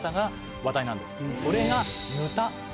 それが。